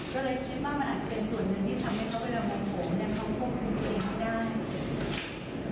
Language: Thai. ก็เลยคิดว่ามันอาจจะเป็นส่วนหนึ่งที่ทำให้เขาเวลาห่วงห่วงเนี่ยเขาก็คุ้นเตรียมกัน